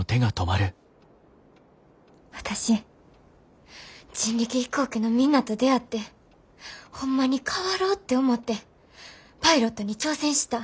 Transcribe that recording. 私人力飛行機のみんなと出会ってホンマに変わろうって思ってパイロットに挑戦した。